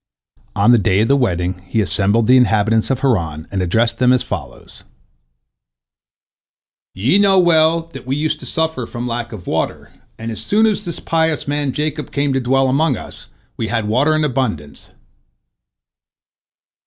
On the day of the wedding he assembled the inhabitants of Haran, and addressed them as follows: "Ye know well that we used to suffer from lack of water, and as soon as this pious man Jacob came to dwell among us, we had water in abundance."